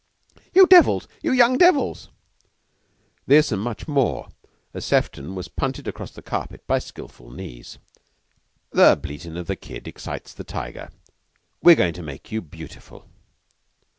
"You devils! You young devils!" This and much more as Sefton was punted across the carpet by skilful knees. "'The bleatin' of the kid excites the tiger.' We're goin' to make you beautiful.